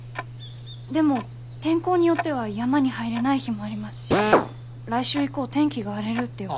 でも天候によっては山に入れない日もありますし来週以降天気が荒れるって予報。